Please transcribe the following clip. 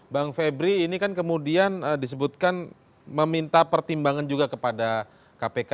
bang febri ini kan kemudian disebutkan meminta pertimbangan juga kepada kpk